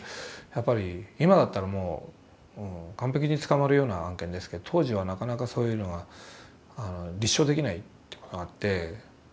やっぱり今だったらもう完璧に捕まるような案件ですけど当時はなかなかそういうのが立証できないというのがあって。